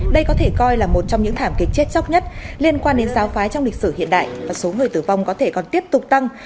đây có thể coi là một trong những thảm kịch chết chóc nhất liên quan đến giáo phái trong lịch sử hiện đại và số người tử vong có thể còn tiếp tục tăng